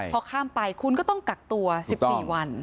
พอข้ามไปคุณก็ต้องกักตัว๑๔วัน